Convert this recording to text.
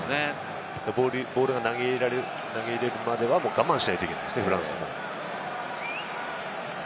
ボールが投げ入れられるまでは、我慢しないといけないですね、フランスも。